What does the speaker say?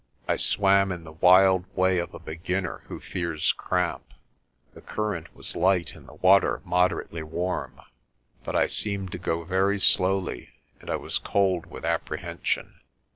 I swam in the wild way of a beginner who fears cramp. The current was light and the water moderately warm, but I seemed to go very slowly and I was cold with apprehension.